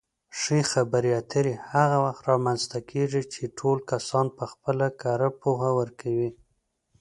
ښې خبرې اترې هغه وخت رامنځته کېږي چې ټول کسان پخپله کره پوهه ورکوي.